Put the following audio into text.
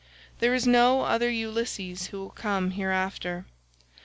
There is no other Ulysses who will come hereafter.